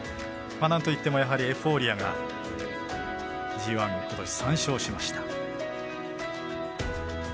なんといってもエフフォーリアがＧＩ、ことし３勝しました。